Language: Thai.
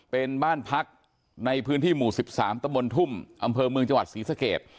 เป็นบ้านพักในพื้นที่หมู่๑๓ตะบนทุ่มอำเภอเมืองจังหวัดศรีสเกต